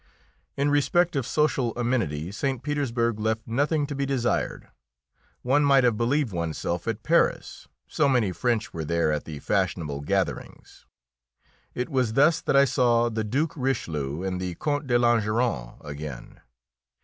In respect of social amenity St. Petersburg left nothing to be desired. One might have believed oneself at Paris, so many French were there at the fashionable gatherings. It was thus that I saw the Duke Richelieu and the Count de Langeron again.